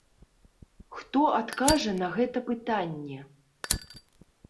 Хто адкажа на гэта пытанне?